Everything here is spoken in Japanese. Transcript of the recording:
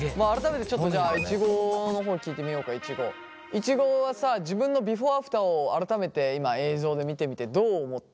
いちごはさ自分のビフォーアフターを改めて今映像で見てみてどう思った？